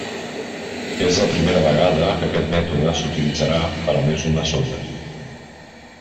És la primera vegada que aquest mètode s'utilitzarà per a més d'una sonda.